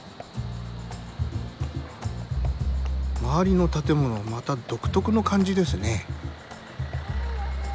周りの建物また独特の感じですね。